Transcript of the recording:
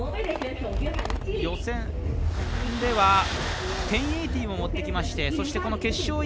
予選では１０８０も持ってきましてそして、この決勝